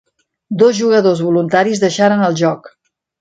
Dos jugadors voluntaris deixaren el joc.